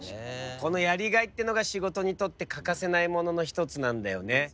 このやりがいっていうのが仕事にとって欠かせないものの一つなんだよね。